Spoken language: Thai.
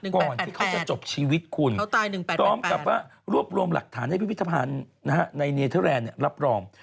ก่อนที่เขาจะจบชีวิตคุณพร้อมกับว่ารวบรวมหลักฐานให้พิพิธภัณฑ์ในเนเทอร์แลนด์รับรอง